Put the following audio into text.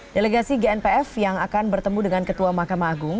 delegasi gnpf yang akan bertemu dengan ketua mahkamah agung